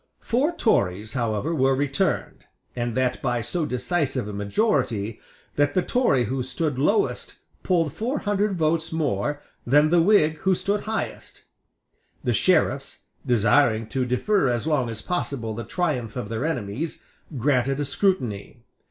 Four Tories however were returned, and that by so decisive a majority, that the Tory who stood lowest polled four hundred votes more than the Whig who stood highest, The Sheriffs, desiring to defer as long as possible the triumph of their enemies, granted a scrutiny.